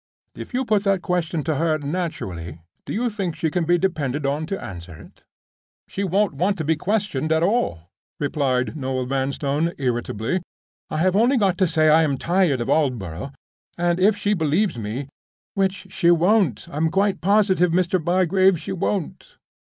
If you put that question to her naturally, do you think she can be depended on to answer it?" "She won't want to be questioned at all," replied Noel Vanstone, irritably. "I have only got to say I am tired of Aldborough; and, if she believes me—which she won't; I'm quite positive, Mr. Bygrave, she won't!